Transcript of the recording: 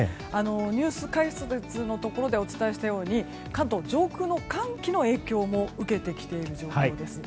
ニュース解説のところでお伝えしたように関東上空の寒気の影響も受けてきている状況です。